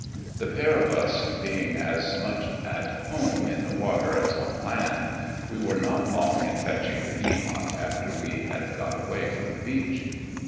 The pair of us being as much at home in the water as on land, we were not long in fetching the Eamont after we had got away from the beach.